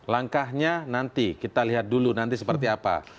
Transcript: langkahnya nanti kita lihat dulu nanti seperti apa